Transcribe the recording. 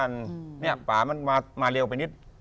เนี่ยป่ามันมาเร็วไปนิด